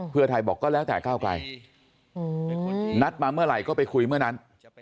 เพื่อไทยบอกก็แล้วแต่ก้าวไกลนัดมาเมื่อไหร่ก็ไปคุยเมื่อนั้น